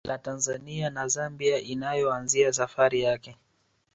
La Tanzania na Zambia inayoanzia safari zake